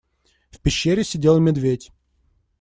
В пещере сидел медведь.